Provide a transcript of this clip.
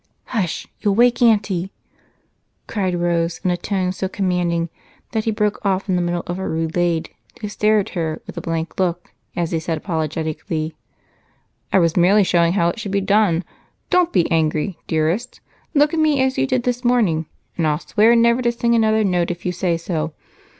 "Hush! You'll wake Aunty," cried Rose in a tone so commanding that he broke off in the middle of a roulade to stare at her with a blank look as he said apologetically, "I was merely showing how it should be done. Don't be angry, dearest look at me as you did this morning, and I'll swear never to sing another note if you say so.